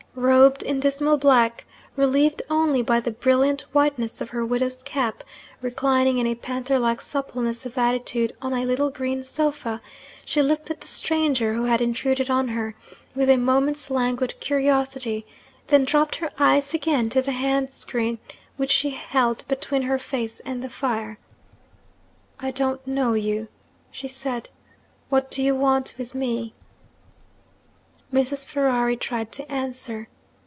Robed in dismal black, relieved only by the brilliant whiteness of her widow's cap reclining in a panther like suppleness of attitude on a little green sofa she looked at the stranger who had intruded on her, with a moment's languid curiosity, then dropped her eyes again to the hand screen which she held between her face and the fire. 'I don't know you,' she said. 'What do you want with me?' Mrs. Ferrari tried to answer.